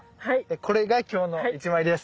これが今日の１枚です。